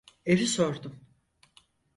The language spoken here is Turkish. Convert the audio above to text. Evi sordum.